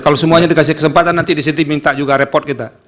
kalau semuanya dikasih kesempatan nanti di sini minta juga report kita